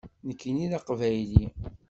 Nekkini d aqbayli.